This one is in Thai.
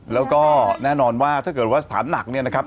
แล้วก็แน่นอนว่าถ้าเกิดว่าสถานหนักเนี่ยนะครับ